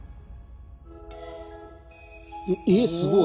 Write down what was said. えすごい。